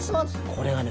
これがね